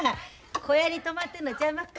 小屋に泊まってんのちゃいまっか。